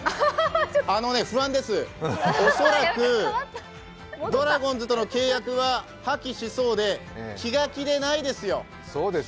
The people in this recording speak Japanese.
不安です、恐らくドラゴンズとの契約は破棄しそうで気が気でないですよ。